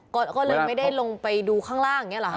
ก็เลยไม่ได้ลงไปดูข้างล่างอย่างนี้หรอค